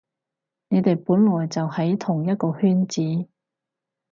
你哋本來就喺同一個圈子